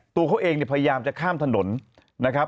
ตัวเขาเองเนี่ยพยายามจะข้ามถนนนะครับ